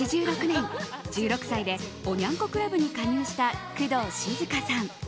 １９８６年、１６歳でおニャン子クラブに加入した工藤静香さん。